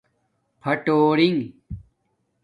پھٹورنݣہ